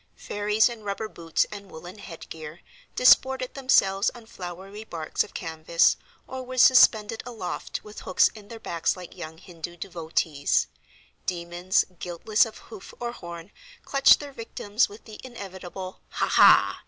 Fairies, in rubber boots and woollen head gear, disported themselves on flowery barks of canvas, or were suspended aloft with hooks in their backs like young Hindoo devotees. Demons, guiltless of hoof or horn, clutched their victims with the inevitable "Ha! ha!"